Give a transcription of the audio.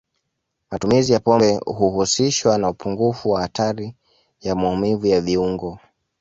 Matumizi ya pombe huhusishwa na upungufu wa hatari ya maumivu ya viungo.